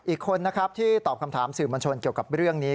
อีกคนนะครับที่ตอบคำถามสื่อมวลชนเกี่ยวกับเรื่องนี้